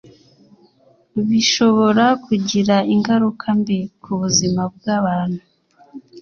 bishobora kugira ingaruka mbi ku buzima bw’abantu